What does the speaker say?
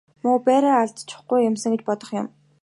Муу байраа л алдчихгүй юмсан гэж бодох юм.